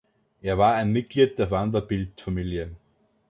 Er war ein Mitglied der Vanderbilt-Familie.